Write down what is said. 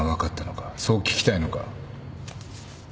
そう聞きたいのか？